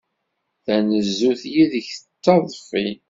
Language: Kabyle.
Tanezzut yid-k d taḍfi.